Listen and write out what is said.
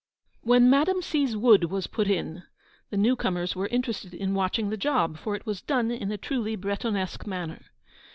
When Madame C.'s wood was put in, the new comers were interested in watching the job, for it was done in a truly Bretonesque manner.